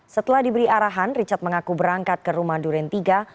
setelah diberi arahan richard mengaku berangkat ke rumah duren iii